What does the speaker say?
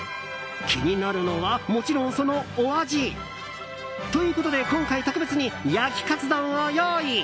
気になるのは、もちろんそのお味。ということで今回特別に焼きカツ丼を用意。